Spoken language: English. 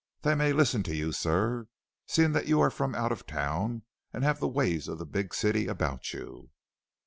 They may listen to you, sir; seeing that you are from out of town and have the ways of the big city about you."